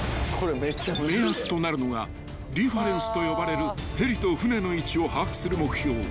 ［目安となるのがリファレンスと呼ばれるヘリと艦の位置を把握する目標］